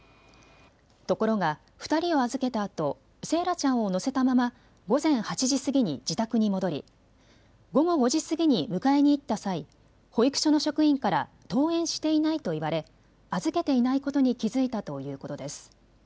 ところが２人を預けたあと惺愛ちゃんを乗せたまま午前８時過ぎに自宅に戻り、午後５時過ぎに迎えに行った際、保育所の職員から登園していないと言われ預けていないことに気付いたということです。